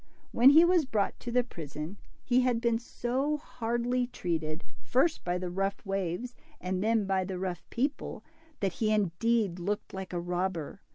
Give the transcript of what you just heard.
When he was brought to the prison, he had been so hardly treated, first by the rough waves and then by the rough people, that he indeed looked like a robber.